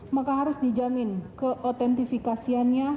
maka harus dijamin keotentifikasiannya